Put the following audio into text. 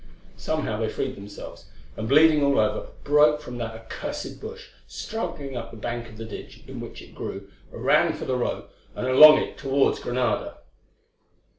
Somehow they freed themselves, and, bleeding all over, broke from that accursed bush, struggling up the bank of the ditch in which it grew, ran for the road, and along it towards Granada.